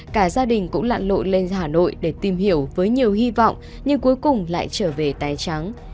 cả gia đình cũng lặn lội lên hà nội để tìm hiểu với nhiều hy vọng nhưng cuối cùng lại trở về tái trắng